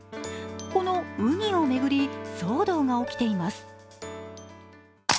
このうにを巡り騒動が起きています。